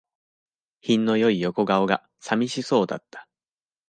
品の良い横顔が、さみしそうだった。